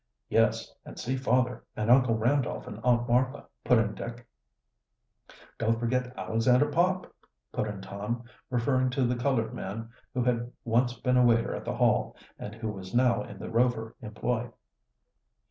"Yes, and see father, and Uncle Randolph and Aunt Martha," put in Dick. "Don't forget Alexander Pop," put in Tom, referring to the colored man who had once been a waiter at the Hall, and who was now in the Rover employ.